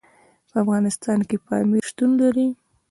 په افغانستان کې پامیر شتون لري.